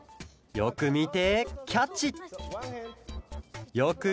よくみてキャッチ！